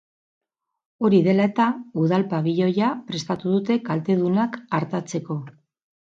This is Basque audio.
Hori dela eta, udal pabiloia prestatu dute kaltedunak artatzeko.